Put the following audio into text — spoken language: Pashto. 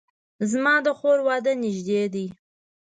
زما د خور واده نږدې ده